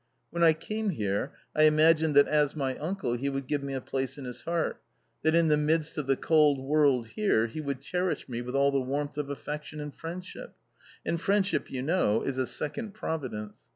When I came here, I imagined that as my uncle he would give me a place in his heart, that in the midst of the cold world here he would cherish me with all the warmth of affection and friend ship ; and friendship, you know, is a second providence.